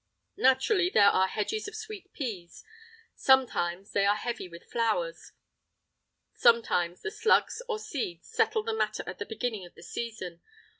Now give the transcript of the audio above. Naturally, there are hedges of sweet peas; sometimes they are heavy with flowers, sometimes the slugs or birds settle the matter at the beginning of the season.